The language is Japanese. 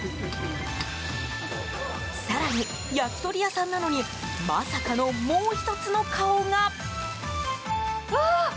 更に、焼き鳥屋さんなのにまさかのもう１つの顔が。